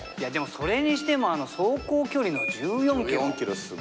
それにしても走行距離の１４キロ。